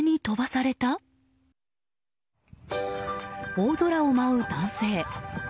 大空を舞う男性。